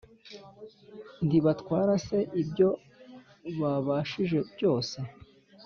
ntibatwara se ibyo babashije byose?